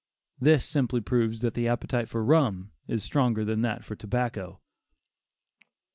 This simply proves that the appetite for rum is even stronger than that for tobacco.